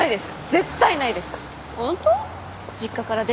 絶対ないです！